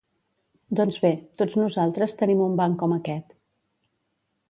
Doncs bé, tots nosaltres tenim un banc com aquest.